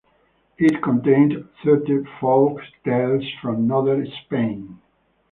It contained thirty folktales from northern Spain.